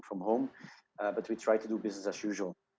tapi kami mencoba untuk melakukan bisnis seperti biasa